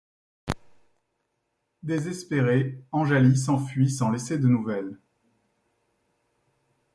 Désespérée, Anjali s'enfuit sans laisser de nouvelles.